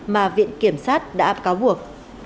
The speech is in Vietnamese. mà viện kiểm sát đã áp cáo buộc